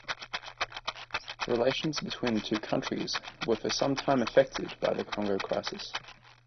Relations between the two countries were for some time affected by the Congo Crisis.